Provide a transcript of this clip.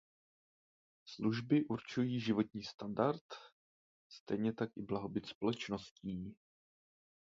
Služby určují životní standard, stejně tak i blahobyt společností.